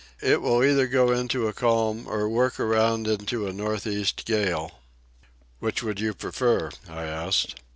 It will either go into a calm or work around into a north east gale." "Which would you prefer?" I asked.